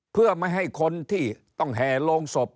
เพื่อไม่ให้คนที่ต้องแห่โรงศพ